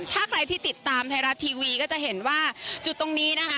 ถ้าใครที่ติดตามไทยรัฐทีวีก็จะเห็นว่าจุดตรงนี้นะคะ